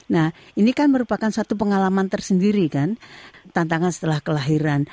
nah ini kan merupakan satu pengalaman tersendiri kan tantangan setelah kelahiran